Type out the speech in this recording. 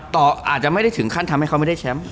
อาจจะไม่ได้ถึงขั้นทำให้เขาไม่ได้แชมป์